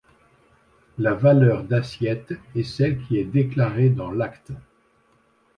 La valeur d’assiette est celle qui est déclarée dans l’acte.